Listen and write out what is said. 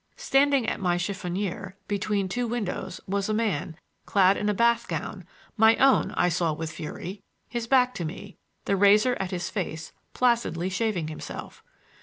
Standing at my chiffonnier, between two windows, was a man, clad in a bath gown—my own, I saw with fury—his back to me, the razor at his face, placidly shaving himself.